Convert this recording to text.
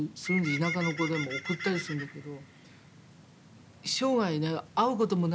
田舎の子でも送ったりするんだけど。